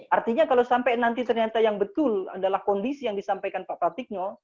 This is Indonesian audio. artinya kalau sampai nanti ternyata yang betul adalah kondisi yang disampaikan pak pratikno